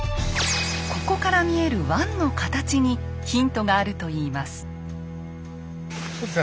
ここから見える湾のかたちにヒントがあるといいます。